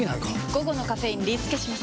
午後のカフェインリスケします！